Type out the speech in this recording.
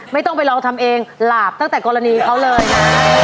ไม่ต้องไปลองทำเองหลาบตั้งแต่กรณีเขาเลยนะ